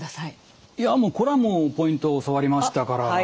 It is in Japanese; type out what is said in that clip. いやこれはもうポイントを教わりましたから。